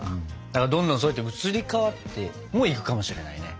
だからどんどんそうやって移り変わってもいくかもしれないね。